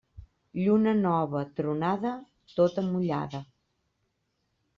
Lluna nova tronada, tota mullada.